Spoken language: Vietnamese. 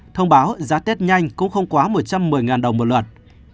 thông báo giá tết nhanh cũng không quá một trăm một mươi đồng một lượt